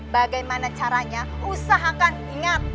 bagaimana caranya usahakan ingat